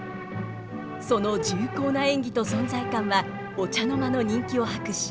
その重厚な演技と存在感はお茶の間の人気を博し